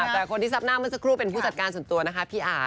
แต่คนที่ทรัพย์หน้าเมื่อสักครู่เป็นผู้จัดการส่วนตัวนะคะพี่อา